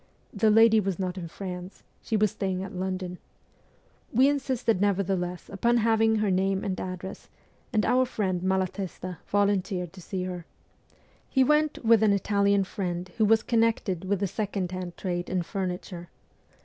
The lady was not in France ; she was staying at London. We insisted nevertheless upon having her name and address, and our friend Malatesta volunteered to see her. He went with an Italian friend who was connected with the second hand trade in furniture.